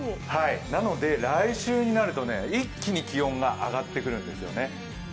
なので来週になると一気に気温が上がってくるんですよね。